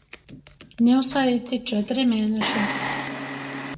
Niu saīt tik četri mieneši.